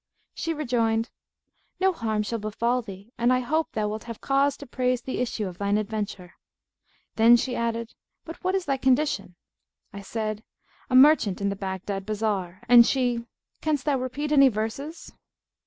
She rejoined, 'No harm shall befall thee, and I hope thou wilt have cause to praise the issue of thine adventure.' Then she added, 'But what is thy condition?' I said, 'A merchant in the Baghdad bazar' and she, 'Canst thou repeat any verses?'